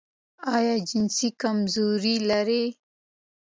ایا جنسي کمزوري لرئ؟